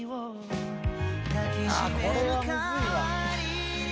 あっこれはムズいわ。